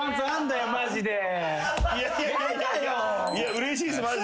うれしいっすマジで。